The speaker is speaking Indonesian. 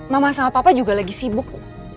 mama sama papa juga lagi sibuk